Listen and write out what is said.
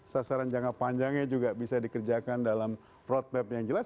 sasaran jangka panjangnya juga bisa dikerjakan dalam roadmap yang jelas